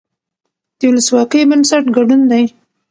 د ولسواکۍ بنسټ ګډون دی